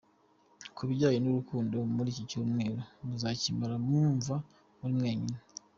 Ku bijyanye n’urukundo muri iki cyumweru muzakimara mwumva muri mwenyine.